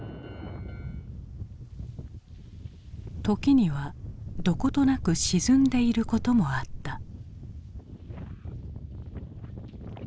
時にはどことなく沈んでいることもあった。